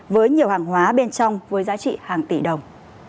với nhiều hàng hóa bên trong với giá trị hàng tỷ đồng